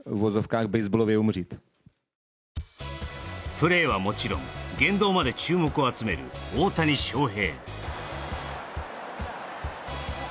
プレーはもちろん、言動まで注目を集める大谷翔平。